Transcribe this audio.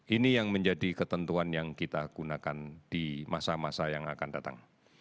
ini yang menjadi ketentuan yang kita gunakan di masa masa yang akan datang